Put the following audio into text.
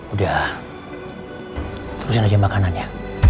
udah terus aja makanannya